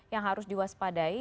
yang harus diwaspadai